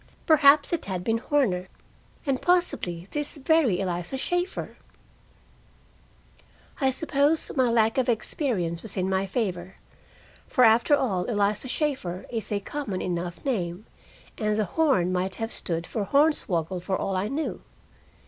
Perhaps it had been Horner, and possibly this very Eliza Shaeffer I suppose my lack of experience was in my favor, for, after all, Eliza Shaeffer is a common enough name, and the "Horn" might have stood for "hornswoggle," for all I knew.